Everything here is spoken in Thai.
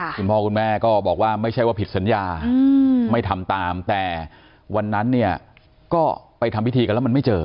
คุณพ่อคุณแม่ก็บอกว่าไม่ใช่ว่าผิดสัญญาไม่ทำตามแต่วันนั้นเนี่ยก็ไปทำพิธีกันแล้วมันไม่เจอ